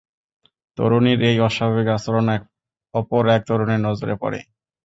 তরুণীর এই অস্বাভাবিক আচরণ অপর এক তরুণের নজরে পড়ে।